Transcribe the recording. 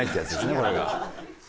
これが。